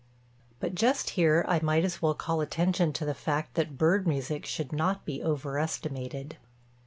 But, just here I might as well call attention to the fact that bird music should not be overestimated.